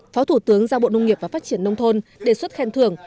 phó thủ tướng giao bộ nông nghiệp và phát triển nông thôn đề xuất khen thưởng